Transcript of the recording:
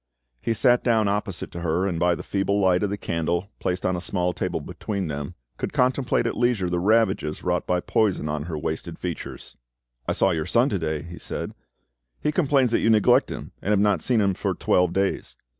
He sat down opposite to her, and by the feeble light of the candle placed on a small table between them could contemplate at leisure the ravages wrought by poison on her wasted features. "I saw your son to day," he said: "he complains that you neglect him, and have not seen him for twelve days.